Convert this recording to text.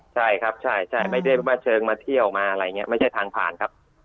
ใช่ครับใช่ไม่ได้มาเชิงมาเที่ยวมาอะไรอย่างนี้ไม่ใช่ทางผ่านครับ